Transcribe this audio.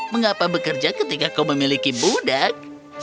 mengapa bekerja ketika kau memiliki budak